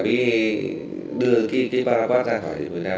mới đưa cái paraquat ra khỏi việt nam